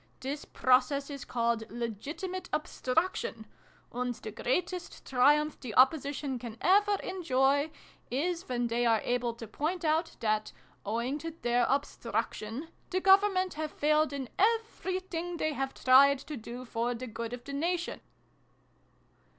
This process is called ' Legitimate Obstruction ': and the great est triumph the ' Opposition ' can ever enjoy, is when they are able to point out that, owing to their ' Obstruction ', the Government have failed in everything they have tried to do for the good of the Nation